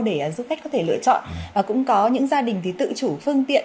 để giúp khách có thể lựa chọn và cũng có những gia đình tự chủ phương tiện